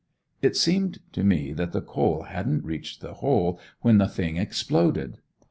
It seemed to me that the coal hadn't reached the hole when the thing exploded.